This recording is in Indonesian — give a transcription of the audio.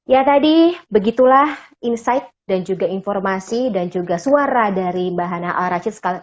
ya tadi begitulah insight dan juga informasi dan juga suara dari mbak hana al rashid